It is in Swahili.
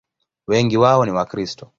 Wengi wao ni Wakristo.